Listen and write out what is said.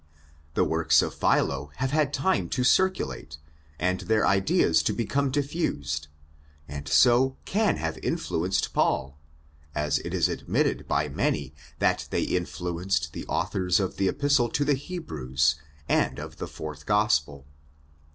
The works of Philo have had time to circulate and their ideas to become diffused, and so can have influ enced '' Paul,' as it is admitted by many that they influenced the authors of the Epistle to the Hebrews and of the fourth Gospel.